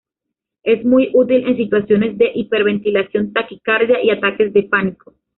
Es muy útil en situaciones de hiperventilación, taquicardia y ataques de pánico.